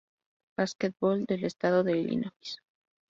Basketball del estado de Illinois.